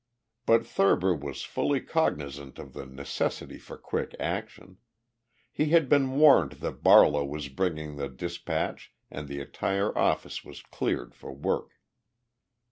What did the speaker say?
But Thurber was fully cognizant of the necessity for quick action. He had been warned that Barlow was bringing the dispatch and the entire office was cleared for work.